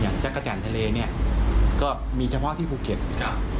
จักรจันทร์ทะเลเนี่ยก็มีเฉพาะที่ภูเก็ตครับ